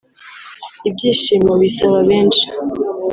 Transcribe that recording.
ibyishimo bisaba benshi